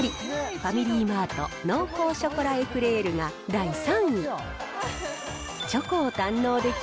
ファミリーマートの濃厚ショコラエクレールです。